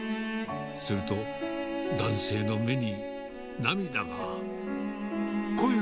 すると、男性の目に涙が。